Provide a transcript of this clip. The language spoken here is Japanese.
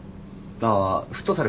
ああフットサル